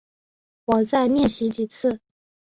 我再练习几次